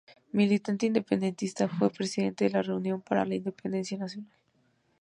Militante independentista, fue presidente del Reunión para la Independencia Nacional.